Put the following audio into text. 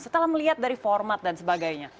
setelah melihat dari format dan sebagainya